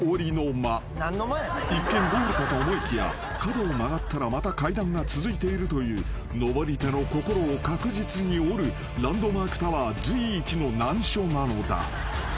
［一見ゴールかと思いきや角を曲がったらまた階段が続いているという上り手の心を確実に折るランドマークタワー随一の難所なのだ］